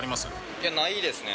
いや、ないですね。